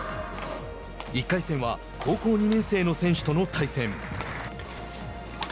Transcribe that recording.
１回戦は高校２年生の選手との対戦。